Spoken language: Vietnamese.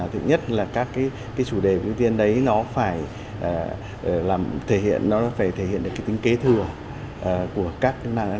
thực nhất là các chủ đề ưu tiên đấy nó phải thể hiện được tính kế thừa của các nước nam